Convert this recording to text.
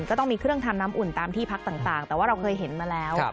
ก็ต้องมีเครื่องทำน้ำอุ่นตามที่พักต่างแต่ว่าเราเคยเห็นมาแล้ว